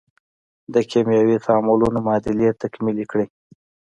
د کیمیاوي تعاملونو معادلې تکمیلې کړئ.